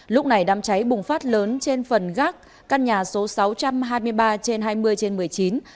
lúc này đám cháy bùng phát lớn trên phần gác căn nhà số sáu trăm hai mươi ba trên hai mươi trên một mươi chín